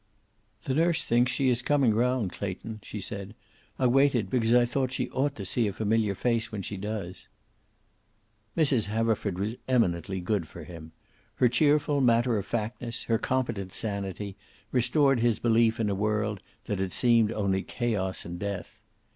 "The nurse thinks she is coming round, Clayton," she said. "I waited, because I thought she ought to see a familiar face when she does." Mrs. Haverford was eminently good for him. Her cheerful matter of factness her competent sanity, restored his belief in a world that had seemed only chaos and death.